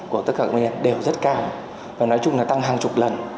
của tất cả các nguyên nhân đều rất cao và nói chung là tăng hàng chục lần